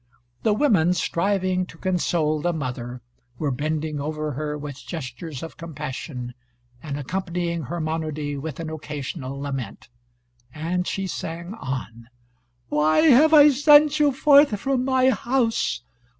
The women, striving to console the mother, were bending over her with gestures of compassion, and accompanying her monody with an occasional lament. And she sang on: "Why have I sent you forth from my house?